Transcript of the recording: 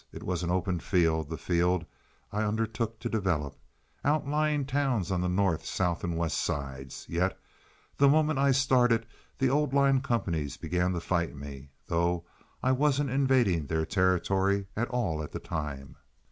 It was an open field, the field I undertook to develop—outlying towns on the North, South, and West sides. Yet the moment I started the old line companies began to fight me, though I wasn't invading their territory at all at the time."